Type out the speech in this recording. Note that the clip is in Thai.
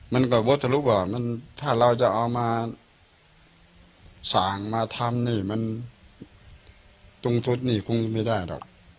มันก็วดลูกศัพท์ว่าถ้าเราจะเอามาส่างมาทำมันดรุงทุจนี่คงไม่ได้หรอก